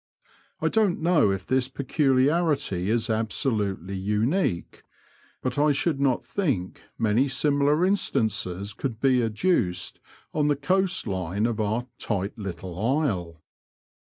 I don'fc know if this peculiarity is absolutely unique, but I should not think many similar instances could be adduced on the coast line of our *' tight little isle.''